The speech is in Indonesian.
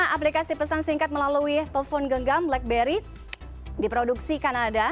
dua ribu lima aplikasi pesan singkat melalui telepon genggam blackberry di produksi kanada